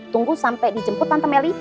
tunggu sampai dijemput tante meli